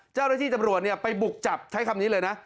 เจ้าหน้าที่ตำรวจไปบุกจับใช้คำนี้เลยนะ